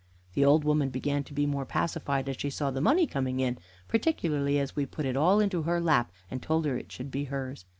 The old woman began to be more pacified as she saw the money coming in, particularly as we put it all into her lap, and told her it should be hers.